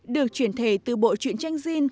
được truyền thể từ bộ truyền tranh jin